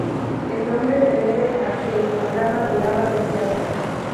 El nombre se debe a que el programa duraba media hora.